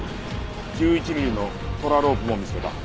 １１ミリのトラロープも見つけた。